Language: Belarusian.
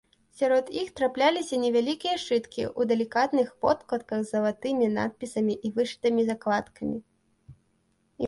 Сярод іх трапляліся невялікія сшыткі ў далікатных вокладках з залатымі надпісамі і вышытымі закладкамі.